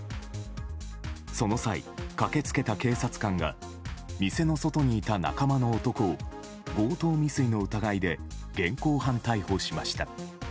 その際、駆け付けた警察官が店の外にいた仲間の男を強盗未遂の疑いで現行犯逮捕しました。